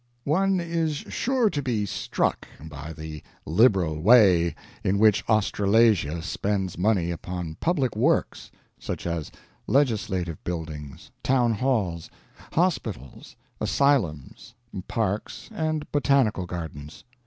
One is sure to be struck by the liberal way in which Australasia spends money upon public works such as legislative buildings, town halls, hospitals, asylums, parks, and botanical gardens.